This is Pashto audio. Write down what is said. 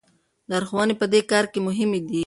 لارښوونې په دې کار کې مهمې دي.